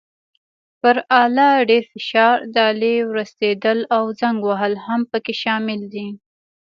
پر آله ډېر فشار، د آلې ورستېدل او زنګ وهل هم پکې شامل دي.